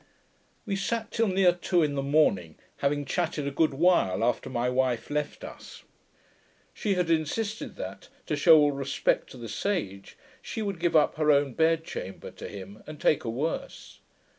We sat till near two in the morning, having chatted a good while after my wife left us. She had insisted, that to shew all respect to the Sage, she would give up her own bed chamber to him, and take a worse.